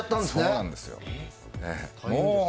そうなんですよ。